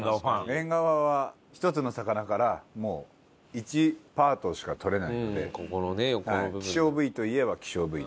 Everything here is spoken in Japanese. えんがわは１つの魚から１パートしか取れないので希少部位といえば希少部位ですし。